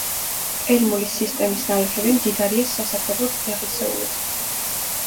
პერმული სისტემის ნალექები მდიდარია სასარგებლო წიაღისეულით.